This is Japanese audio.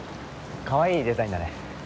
かわいいデザインだね。